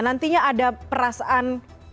nantinya ada perasaan